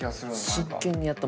真剣にやった。